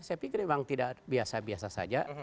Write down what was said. saya pikir memang tidak biasa biasa saja